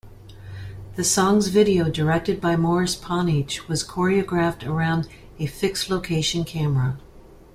The song's video, directed by Morris Panych, was choreographed around a fixed-location camera.